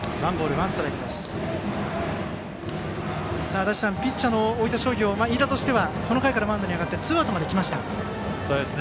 足達さん、大分商業のピッチャー飯田としては、この回からマウンドに上がってツーアウトまできました。